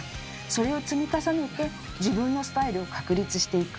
それを積み重ねて自分のスタイルを確立していく。